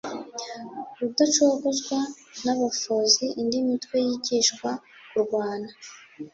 Rudacogozwa nabafozi indi mitwe yigishwa kurwana